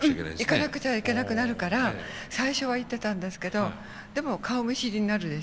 行かなくちゃいけなくなるから最初は行ってたんですけどでも顔見知りになるでしょ。